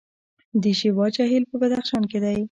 د شیوا جهیل په بدخشان کې دی